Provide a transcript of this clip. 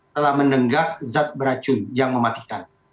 telah menenggak zat beracun yang mematikan